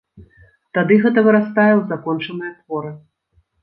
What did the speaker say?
Тады гэта вырастае ў закончаныя творы.